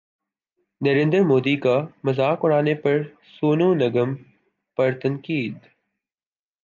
نریندر مودی کا مذاق اڑانے پر سونو نگم پر تنقید